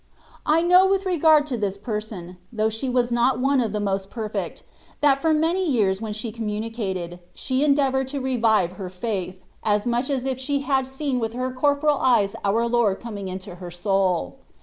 I know with regard to this person, though she was not one of the most perfect, that for many years when she communicated, she endea voured to revive her faith, as much as if she had seen with her corporal eyes our Lord coming into her soul.